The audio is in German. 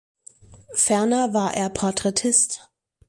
Ferner war er Porträtist.